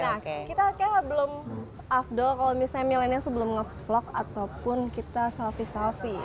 nah kita kayaknya belum afdol kalo misalnya millenials belum ngevlog ataupun kita selfie selfie